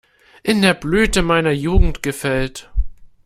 In der Blüte meiner Jugend gefällt.